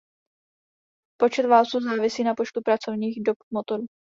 Počet válců závisí na počtu pracovních dob motoru.